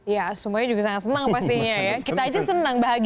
ya semuanya juga sangat senang pastinya ya kita aja senang bahagia